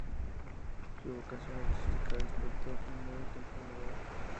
Su vocación artística despertó a muy temprana edad.